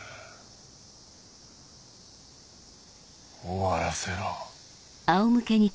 終わらせろ。